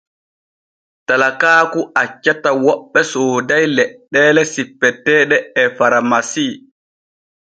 Talakaaku accata woɓɓe sooday leɗɗeele sippeteeɗe e faramasi.